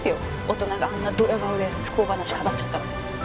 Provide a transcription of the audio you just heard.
大人があんなドヤ顔で不幸話語っちゃったら。